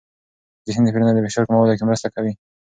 ذهني تمرینونه د فشار کمولو کې مرسته کوي.